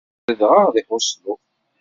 Zedɣeɣ deg Oslo.